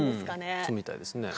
そうみたいですね。